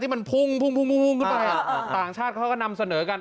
ที่มันพุ่งพุ่งพุ่งพุ่งอ่าต่างชาติเขาก็นำเสนอกัน